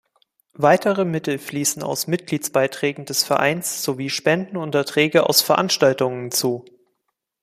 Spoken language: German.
Weitere Mittel fließen aus Mitgliedsbeiträgen des Vereins sowie Spenden und Erträge aus Veranstaltungen zu.